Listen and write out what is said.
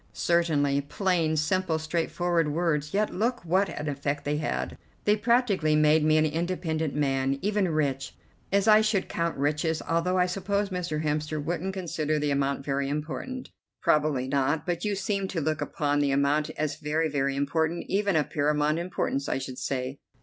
"Certainly. Plain, simple, straightforward words, yet look what an effect they had. They practically make me an independent man, even rich, as I should count riches, although I suppose Mr. Hemster wouldn't consider the amount very important." "Probably not, but you seem to look upon the amount as very, very important, even of paramount importance, I should say."